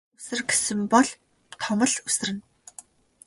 Том үсэр гэсэн бол том л үсэрнэ.